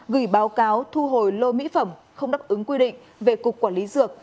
gửi báo cáo thu hồi lô mỹ phẩm không đáp ứng quy định về cục quản lý dược